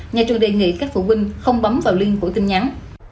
nhà trường đề nghị các phụ huynh không bấm vào link của tin nhắn